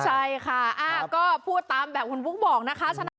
ใช่ค่ะก็พูดตามแบบคุณบุ๊กบอกนะคะ